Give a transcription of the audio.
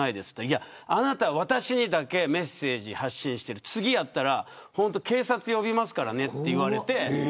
いや、あなたは私にだけメッセージを発信してる次やったら警察呼びますからねと言われて。